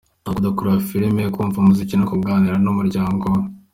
Akunda kureba filimi, kumva umuziki no kuganira n’umuryango we.